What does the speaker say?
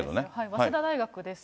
早稲田大学です。